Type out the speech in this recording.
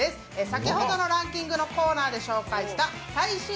先ほどのランキングのコーナーで紹介した最新！